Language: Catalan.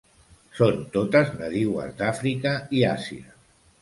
Són totes nadiues d'Àfrica i Àsia.